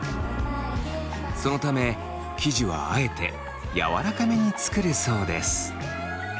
そのため生地はあえてやわらかめに作るそうです。